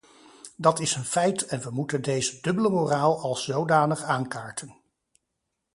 Dat is een feit en we moeten deze dubbele moraal als zodanig aankaarten.